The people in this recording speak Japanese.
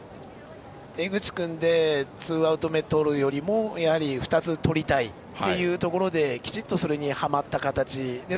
江口君でツーアウト目をとるよりもやはり２つとりたいというところできちんとそこにはまった形。